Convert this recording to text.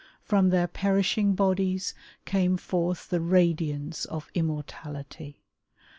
From their perishing bodies came forth the radiance of immortality.